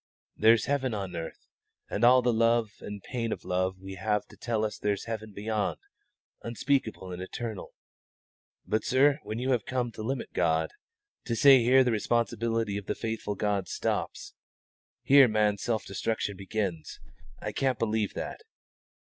There's heaven on earth, and all the love and pain of love we have tell us there's heaven beyond, unspeakable and eternal; but, sir, when you come to limit God to say, here the responsibility of the faithful God stops, here man's self destruction begins I can't believe that.